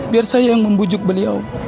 biar saya yang membujuk beliau